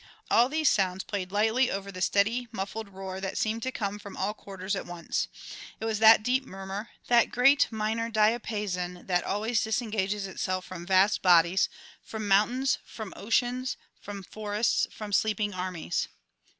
All these sounds played lightly over the steady muffled roar that seemed to come from all quarters at once; it was that deep murmur, that great minor diapason that always disengages itself from vast bodies, from mountains, from oceans, from forests, from sleeping armies.